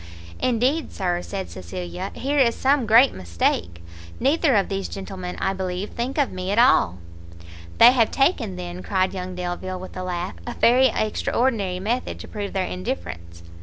"Indeed, Sir," said Cecilia, "here is some great mistake; neither of these gentlemen, I believe, think of me at all." "They have taken, then," cried young Delvile with a laugh, "a very extraordinary method to prove their indifference!"